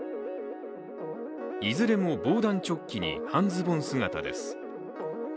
いずれも防弾チョッキに半ズボン姿です。